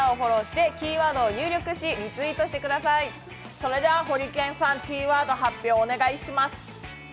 それで、ホリケンさん、キーワードの発表をお願いします。